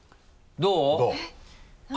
どう？